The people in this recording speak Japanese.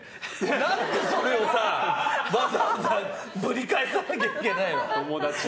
何で、それをわざわざぶり返さなきゃいけないの？